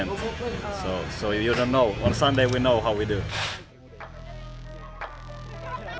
pada hari selamat kita tahu bagaimana kita melakukannya